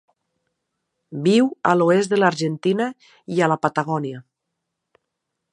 Viu a l'oest de l'Argentina i a la Patagònia.